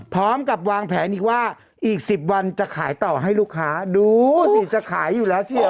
พร้อมกับวางแผนอีกว่าอีก๑๐วันจะขายต่อให้ลูกค้าดูสิจะขายอยู่แล้วเชียว